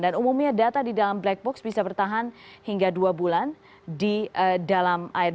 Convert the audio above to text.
dan umumnya data di dalam black box bisa bertahan hingga dua bulan di dalam air